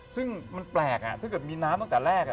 ซึ่งมันแปลกถ้าเกิดมีน้ำตั้งแต่แรก